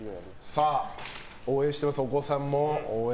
応援してます、お子さんも。